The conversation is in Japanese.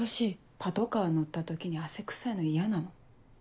パトカー乗った時に汗臭いの嫌なの。